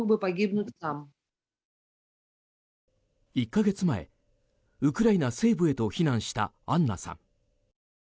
１か月前、ウクライナ西部へと避難したアンナさん。